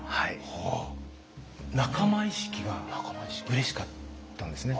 仲間意識がうれしかったんですね。